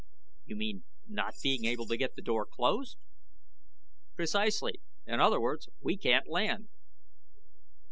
"You mean not being able to get the door closed?" "Precisely. In other words, we can't land."